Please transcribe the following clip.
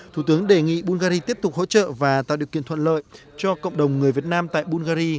thủ tướng đề nghị bungary tiếp tục hỗ trợ và tạo điều kiện thuận lợi cho cộng đồng người việt nam tại bungary